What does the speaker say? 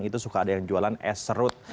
itu suka ada yang jualan es serut